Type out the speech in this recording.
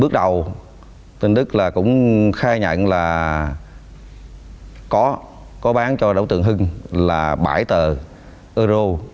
bước đầu tin đức là cũng khai nhận là có bán cho đối tượng hưng là bảy tờ euro